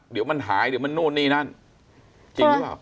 เดี๋ยวมันหายเดี๋ยวมันนู่นนี่นั่นจริงหรือเปล่า